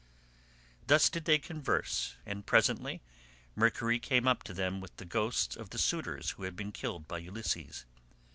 Thus did they converse, and presently Mercury came up to them with the ghosts of the suitors who had been killed by Ulysses.